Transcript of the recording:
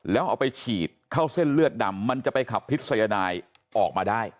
แล้วเอาไปฉีดเข้าเส้นเลือดดำมันจะไปขับพิษยนายออกมาได้